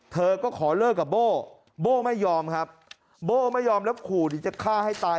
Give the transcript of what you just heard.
เธอก็ขอเลิกกับโบ้โบ้ไม่ยอมครับโบ้ไม่ยอมแล้วขู่เดี๋ยวจะฆ่าให้ตาย